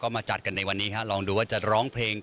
มาจัดกันในวันนี้ฮะลองดูว่าจะร้องเพลง